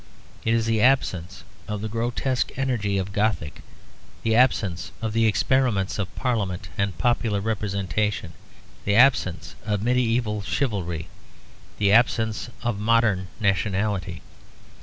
It is the absence of the grotesque energy of Gothic, the absence of the experiments of parliament and popular representation, the absence of medieval chivalry, the absence of modern nationality.